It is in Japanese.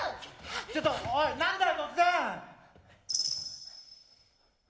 ちょっとおい何だよ突然！